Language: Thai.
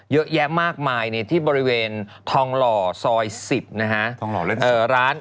เยอะแยะมากมายที่บริเวณทองหล่อซอย๑๐นะฮะ